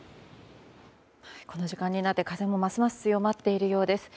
この時間になって、風もますます強まっているようです。